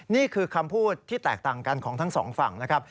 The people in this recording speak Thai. นี่คือคำพูดที่แตกต่างกันของทั้งสองฝั่งนะครับ